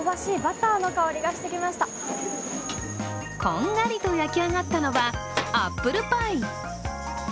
こんがりと焼き上がったのはアップルパイ。